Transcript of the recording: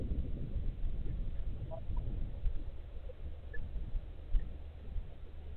Habita en Vietnam.